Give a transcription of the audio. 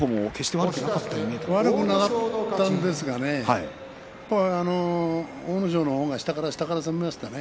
悪くはなかったんですが阿武咲の方が下から下から攻めましたよね。